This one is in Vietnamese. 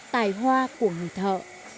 tài hoa của người thợ